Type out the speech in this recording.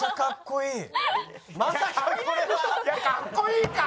かっこいいか？